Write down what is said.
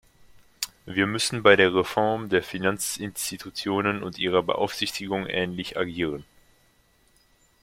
Wir müssen bei der Reform der Finanzinstitutionen und ihrer Beaufsichtigung ähnlich agieren.